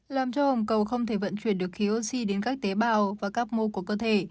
làm cho hồng cầu không thể vận chuyển được khí oxy đến các tế bào và các mô của cơ thể